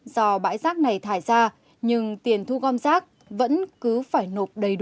do bãi rác này thải ra nhưng tiền thu gom rác vẫn cứ phải nộp đầy đủ